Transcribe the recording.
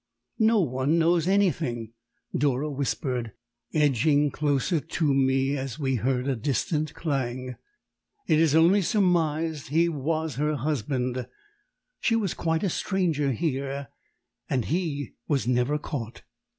"No one knows anything!" Dora whispered, edging closer to me as we heard a distant clang. "It is only surmised he was her husband she was quite a stranger here and he was never caught."